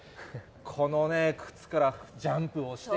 この靴からジャンプをして、